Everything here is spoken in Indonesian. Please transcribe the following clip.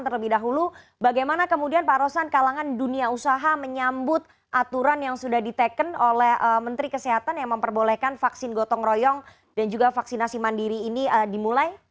terlebih dahulu bagaimana kemudian pak rosan kalangan dunia usaha menyambut aturan yang sudah diteken oleh menteri kesehatan yang memperbolehkan vaksin gotong royong dan juga vaksinasi mandiri ini dimulai